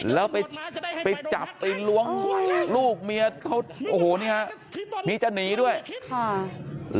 แล้วไปไปจับไปล้วงลูกเมียเขาโอ้โหนี่ฮะมีจะหนีด้วยค่ะ